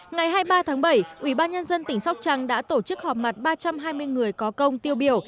ngày hai mươi ba tháng bảy ubnd tỉnh sóc trăng đã tổ chức họp mặt ba trăm hai mươi người có công tiêu biểu